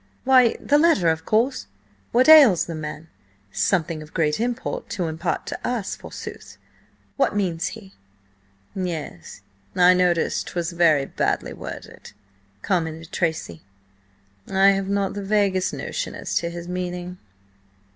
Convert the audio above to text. "Why, the letter, of course! What ails the man? 'Something of great import to impart to us,' forsooth! What means he?" "Yes, I noticed 'twas very badly worded," commented Tracy. "I have not the vaguest notion as to his meaning."